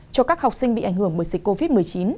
cho các học sinh bị ảnh hưởng bởi dịch covid một mươi chín